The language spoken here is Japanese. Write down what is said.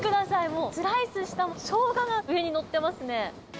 もうスライスしたショウガが上に載ってますね。